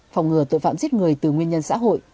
phòng ngừa tội phạm giết người từ nguyên nhân xã hội